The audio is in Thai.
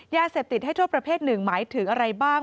ยาเสพติดให้โทษประเภทหนึ่งหมายถึงอะไรบ้าง